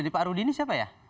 di pak rudini siapa ya